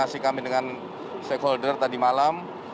hari ini kami sudah siap untuk melakukan pendataan dan penelitian